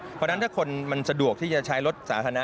เพราะฉะนั้นถ้าคนมันสะดวกที่จะใช้รถสาธารณะ